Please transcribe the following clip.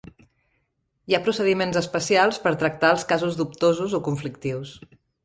Hi ha procediments especials per tractar els casos dubtosos o conflictius.